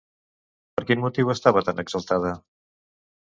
Per quin motiu estava tan exaltada?